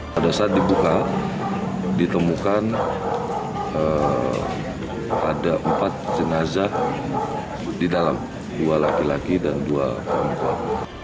pada saat dibuka ditemukan ada empat jenazah di dalam dua laki laki dan dua perempuan